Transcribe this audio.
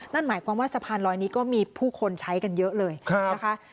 นั่นหมายความว่าสะพานลอยนี้ก็มีผู้คนใช้กันเยอะเลยนะคะ